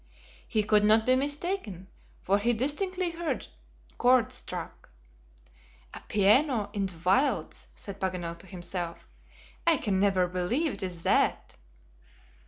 He could not be mistaken, for he distinctly heard chords struck. "A piano in the wilds!" said Paganel to himself. "I can never believe it is that."